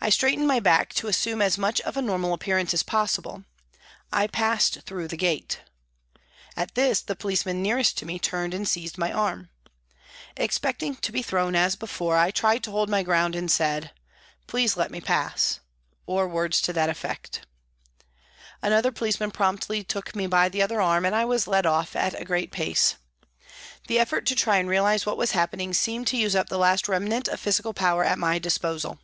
I straightened my back to assume as much of a normal appearance as possible. I passed through the gate. At this the policeman nearest to me turned and seized my arm. Expecting to be thrown as before, I tried to hold my ground and said, " Please let me pass," or words to that effect. Another policeman promptly took me by the other arm and I was led off at a great pace. The effort to try and realise what was happening seemed to use up the last remnant of physical power at my disposal.